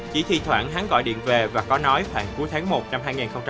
chỉ thi thoảng hắn gọi điện về và có nói khoảng cuối tháng một năm hai nghìn hai mươi